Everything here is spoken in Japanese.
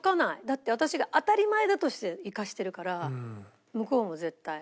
だって私が当たり前だとして行かせてるから向こうも絶対。